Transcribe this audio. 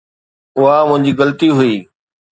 اها منهنجي غلطي هئي.